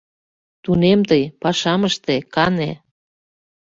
Тунем тый, пашам ыште, кане